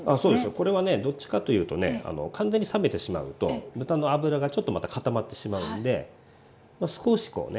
これはねどっちかというとね完全に冷めてしまうと豚の脂がちょっとまた固まってしまうので少しこうね